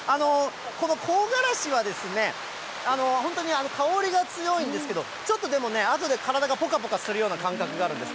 この香辛子は本当に香りが強いんですけど、ちょっとでもね、あとで体がぽかぽかするような感覚があるんです。